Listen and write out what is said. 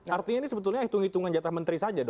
artinya ini sebetulnya hitung hitungan jatah menteri saja